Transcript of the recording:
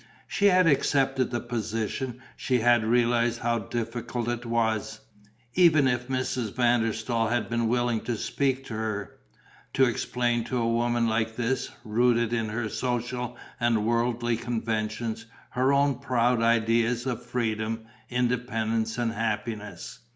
She had accepted the position; she had realized how difficult it was even if Mrs. van der Staal had been willing to speak to her to explain to a woman like this, rooted in her social and worldly conventions, her own proud ideas of freedom, independence and happiness.